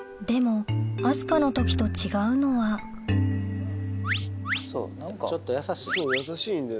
でも明日香の時と違うのはちょっと優しい。